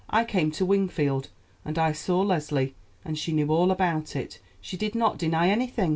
I came to Wingfield, and I saw Leslie, and she knew all about it; she did not deny anything."